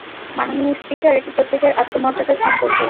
মাননীয় স্পিকার, এটি প্রত্যেকের আত্মমর্যাদা সম্পর্কে।